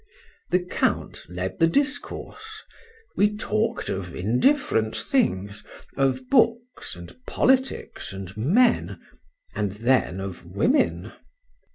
The Count led the discourse: we talk'd of indifferent things,—of books, and politics, and men;—and then of women.